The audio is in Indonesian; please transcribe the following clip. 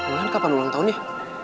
bulan kapan ulang tahun ya